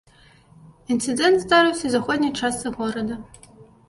Інцыдэнт здарыўся ў заходняй частцы горада.